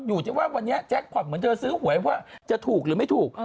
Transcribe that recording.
อยู่ที่ว่าวันนี้แจ็คพอร์ตเหมือนเธอซื้อหวยว่าจะถูกหรือไม่ถูก